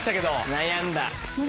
悩んだ。